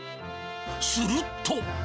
すると。